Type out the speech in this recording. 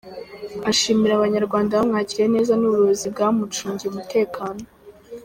Ashimira Abanyarwanda bamwakiriye neza n’ubuyobozi bwamucungiye umutekano.